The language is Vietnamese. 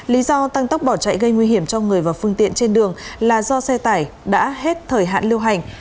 lý do tăng tốc bỏ chạy gây nguy hiểm cho người và phương tiện trên đường là do xe tải đã hết thời hạn lưu hành